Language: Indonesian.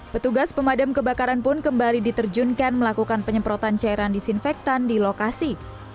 petugas pemadam kebakaran pun kembali diterjunkan melakukan penyemprotan cairan disinfektan di lokasi